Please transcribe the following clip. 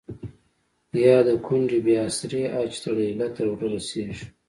يا َد کونډې بې اسرې آه چې ا يله تر ورۀ رسيږي